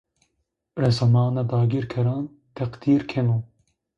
Resamanê dagîrkeran teqdîr keno